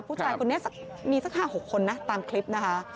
ผู้ชายคนนี้มีสัก๕๖คนนะตามคลิปนะคะ